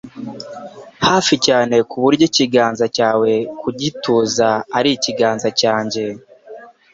hafi cyane kuburyo ikiganza cyawe ku gituza ari ikiganza cyanjye,